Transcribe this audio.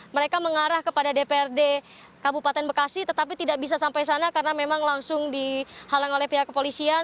mereka mengarah kepada dprd kabupaten bekasi tetapi tidak bisa sampai sana karena memang langsung dihalang oleh pihak kepolisian